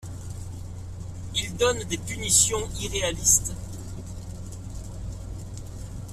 Ils donnent des punitions irréalistes.